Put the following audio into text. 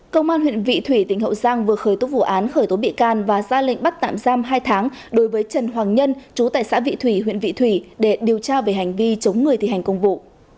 công an huyện vị thủy tỉnh hậu giang vừa khởi tố vụ án khởi tố bị can và ra lệnh bắt tạm giam hai tháng đối với trần hoàng nhân chú tại xã vị thủy huyện vị thủy để điều tra về hành vi chống người thi hành công vụ